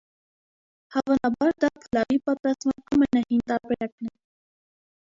Հավանաբար դա փլավի պատրաստման ամենահին տարբերակն է։